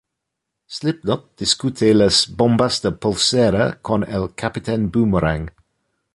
Slipknot discute las "bombas de pulsera" con el Capitán Boomerang.